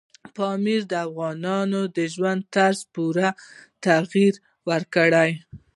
پامیر د افغانانو د ژوند طرز ته پوره تغیر ورکوي.